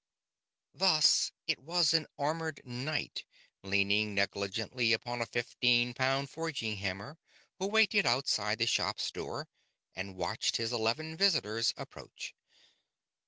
Thus it was an armored knight, leaning negligently upon a fifteen pound forging hammer, who waited outside the shop's door and watched his eleven visitors approach.